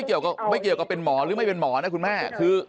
ก็ไม่เกี่ยวกับเป็นหมอหรือไม่เป็นหมอนะคุณแม่